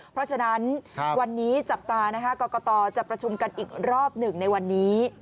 เพราะฉะนั้นวันนี้จับตานะคะกรกตจะประชุมกันอีกรอบหนึ่งในวันนี้